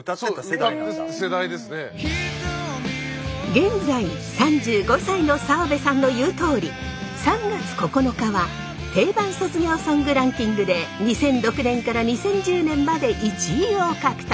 現在３５歳の澤部さんの言うとおり「３月９日」は「定番卒業ソングランキング」で２００６年から２０１０年まで１位を獲得。